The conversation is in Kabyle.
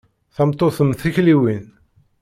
Tameṭṭut mm tikliwin.